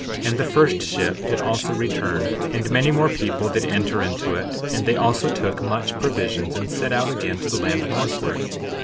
And the first ship did also return, and many more people did enter into it; and they also took much provisions, and set out again to the land northward.